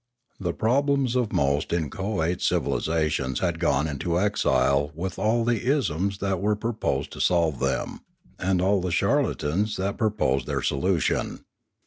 The problems of most in choate civilisations had gone into exile with all the isms that were proposed to solve them, and all the charlatans that proposed their solution.